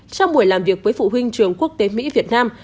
trong buổi làm việc với phụ huynh trường quốc tế mỹ việt nam